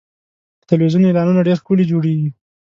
د تلویزیون اعلانونه ډېر ښکلي جوړېږي.